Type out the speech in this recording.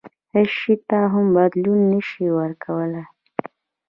هیڅ شي ته هم بدلون نه شي ورکولای.